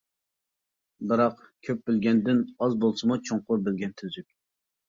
بىراق، كۆپ بىلگەندىن ئاز بولسىمۇ چوڭقۇر بىلگەن تۈزۈك.